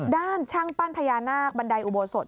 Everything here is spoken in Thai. ด้านช่างปั้นพญานาคบันไดอุโบสถ